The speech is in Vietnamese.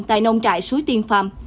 tại nông trại suối tiên phạm